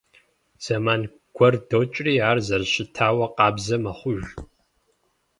Зэман гуэр докӀри, ар зэрыщытауэ къабзэ мэхъуж.